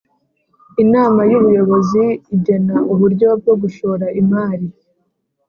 Inama y’Ubuyobozi igena uburyo bwo gushora imari